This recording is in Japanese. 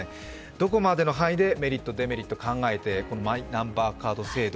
どこまでの範囲デメリット・デメリット考えてマイナンバーカード制度